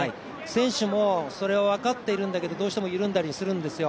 選手もそれを分かっているんだけどどうしても緩んだりするんですよ。